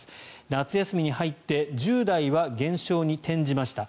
夏休みに入って１０代は減少に転じました。